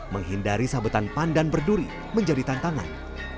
menghindari sabetan pandan berduri menjadi tantangan